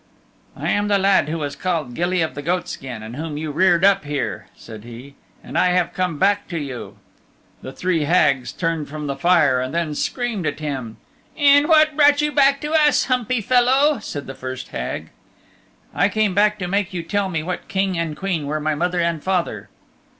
"I am the lad who was called Gilly of the Goatskin, and whom you reared up here," said he, "and I have come back to you." The three Hags turned from the fire then and screamed at him. "And what brought you back to us, humpy fellow?" said the first Hag. "I came back to make you tell me what Queen and King were my mother and father."